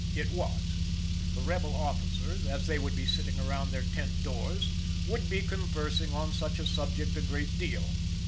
It was. The rebel officers, as they would be sitting around their tent doors, would be conversing on such a subject a great deal.